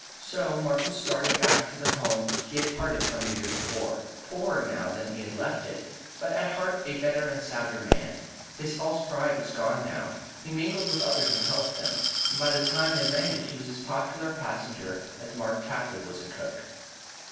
So Martin started back to the home he had parted from a year before, poorer than he had left it, but at heart a better and a sounder man. His false pride was gone now. He mingled with others and helped them, and by the time they landed he was as popular a passenger as Mark Tapley was a cook.